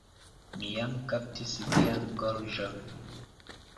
Mi jam kaptis vian gorĝon.